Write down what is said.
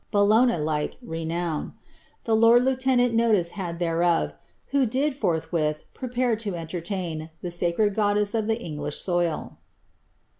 Bellona like, renowned. The lord lieutcnanl notice had Uiereof. Who did, forthwidi, prepare lo enienain The sacred goddess of Uie EngiUli soil.''